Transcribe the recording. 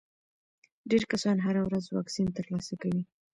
ډېر کسان هره ورځ واکسین ترلاسه کوي.